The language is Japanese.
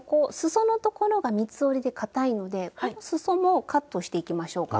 そのところが三つ折りでかたいのですそもカットしていきましょうか。